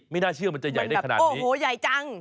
ไม่น่าเชื่อมันจะใหญ่ได้ขนาดนี้โอ้โหใหญ่จัง